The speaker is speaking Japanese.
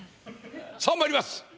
さあまいります。